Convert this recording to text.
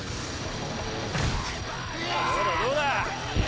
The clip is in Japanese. どうだどうだいや！